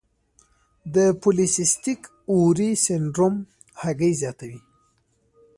د پولی سیسټک اووری سنډروم هګۍ زیاتوي.